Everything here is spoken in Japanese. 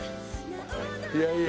いやいや。